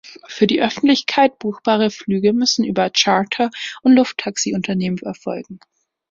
Für die Öffentlichkeit buchbare Flüge müssen über Charter- und Lufttaxiunternehmen erfolgen.